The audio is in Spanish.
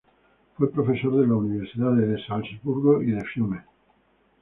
Fue profesor de las Universidades de Salzburgo y de Fiume.